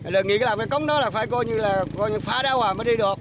đợi nghĩa là cống đó phải coi như là phá đá hoà mới đi được